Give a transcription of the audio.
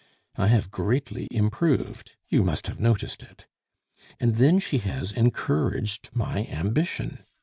I have greatly improved; you must have noticed it. And then she has encouraged my ambition.